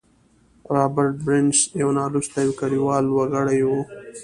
رابرټ برنس يو نالوستی او کليوال وګړی و.